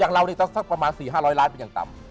เรานี่สักประมาณ๔๕๐๐ล้านเป็นอย่างต่ำ